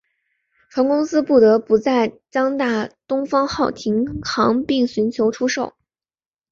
船公司不得不在将大东方号停航并寻求出售。